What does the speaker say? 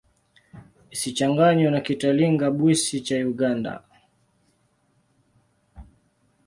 Isichanganywe na Kitalinga-Bwisi cha Uganda.